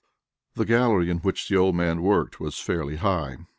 III The gallery in which the old man worked was fairly high.